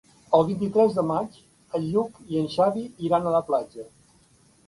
El vint-i-tres de maig en Lluc i en Xavi iran a la platja.